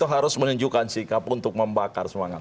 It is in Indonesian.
harus menunjukkan sikap untuk membakar semangat